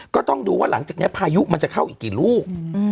ก็ต้องดูว่าหลังจากนี้พายุมันจะเข้าอีกกี่ลูก